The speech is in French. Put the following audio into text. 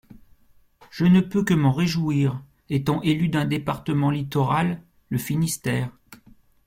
Je ne peux que m’en réjouir, étant élue d’un département littoral, le Finistère.